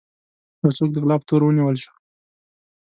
يو څوک د غلا په تور ونيول شو.